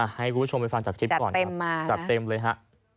ให้คุณผู้ชมไปฟังจากคลิปก่อนจัดเต็มมานะจัดเต็มเลยฮะ